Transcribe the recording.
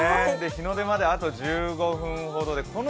日の出まであと１５分ほどです。